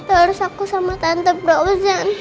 terus aku sama tante